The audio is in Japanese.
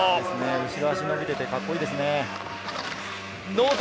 後ろ足が伸びていてカッコいいですね。